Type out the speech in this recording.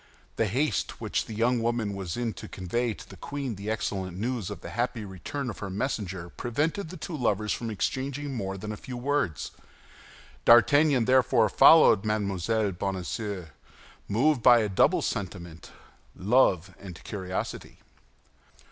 The haste which the young woman was in to convey to the queen the excellent news of the happy return of her messenger prevented the two lovers from exchanging more than a few words. D'Artagnan therefore followed Mme. Bonacieux moved by a double sentiment—love and curiosity.